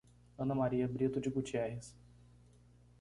Ana Maria Brito de Gutierrez